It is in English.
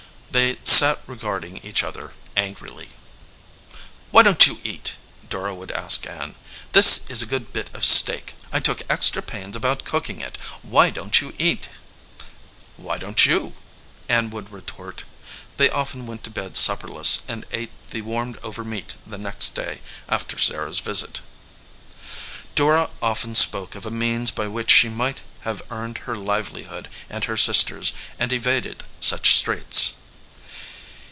They sat regarding each other angrily. "Why don t you eat?" Dora would ask Ann. This is a good bit of steak. I took extra pains about cooking it. Why don t you eat?" "Why don t you?" Ann would retort. They often went to bed supperless and ate the warmed over meat the next day after Sarah s visit. Dora often spoke of a means by which she might have earned her livelihood and her sister s, and evaded such straits.